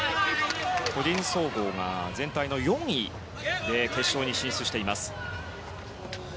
個人総合が全体の４位で決勝に進出しています。